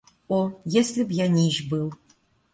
О, если б я нищ был!